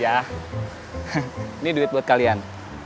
kamu sudah kecemasan